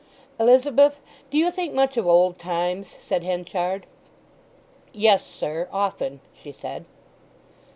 "Elizabeth, do you think much of old times?" said Henchard. "Yes, sir; often," she said.